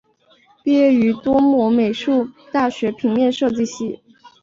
毕业于多摩美术大学平面设计系。